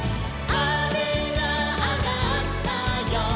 「あめがあがったよ」